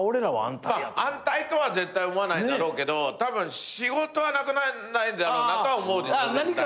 安泰とは絶対思わないだろうけど仕事はなくなんないだろうなとは思うでしょ絶対。